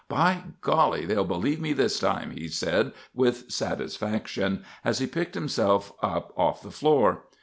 "By golly, they'll believe me this time," he said with satisfaction as he picked himself up off the floor.